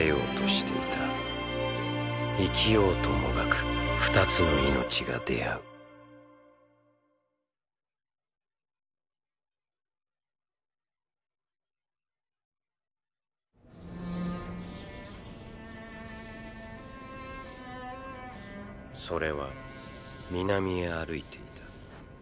生きようともがく２つの命が出会うそれは南へ歩いていた。